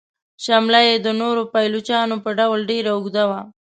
شمله یې د نورو پایلوچانو په ډول ډیره اوږده وه.